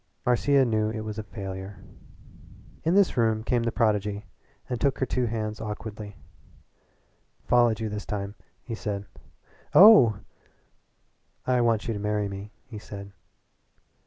Marcia knew it was a failure. Into this room came the prodigy and took her two hands awkwardly. "I followed you this time," he said. "Oh!" "I want you to marry me," he said.